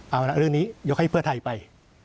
เอาละเรื่องนี้ยกให้เพื่อไทยไป